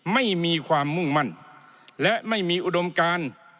ไม่มีความมุ่งมั่นและไม่มีอุดมการ